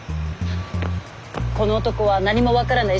この男は何も分からない